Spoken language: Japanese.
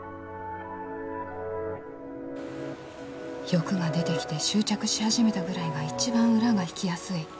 欲が出てきて執着しはじめたぐらいがいちばん裏が引きやすい。